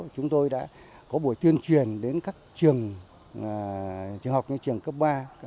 chúng tôi đã có buổi tuyên truyền đến các trường học như trường cấp ba